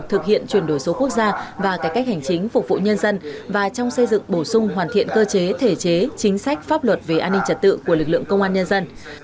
thực hiện chuyển đổi số quốc gia và cải cách hành chính phục vụ nhân dân và trong xây dựng bổ sung hoàn thiện cơ chế thể chế chính sách pháp luật về an ninh trật tự của lực lượng công an nhân dân